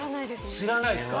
知らないですか。